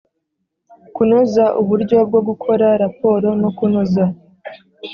Kunoza uburyo bwo gukora raporo no kunoza